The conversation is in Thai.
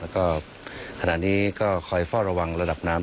แล้วก็ขณะนี้ก็คอยเฝ้าระวังระดับน้ำ